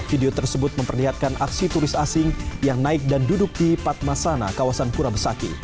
video tersebut memperlihatkan aksi turis asing yang naik dan duduk di padmasana kawasan kura besaki